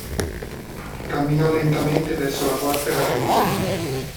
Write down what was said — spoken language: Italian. Camminò lentamente verso la porta e la chiuse.